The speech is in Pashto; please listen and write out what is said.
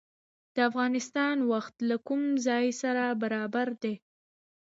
د افغانستان وخت له کوم ځای سره برابر دی؟